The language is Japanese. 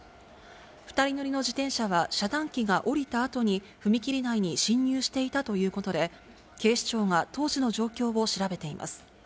２人乗りの自転車は、遮断機が下りたあとに踏切内に進入していたということで、警視庁が当時の状況を調べています。